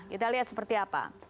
kita lihat seperti apa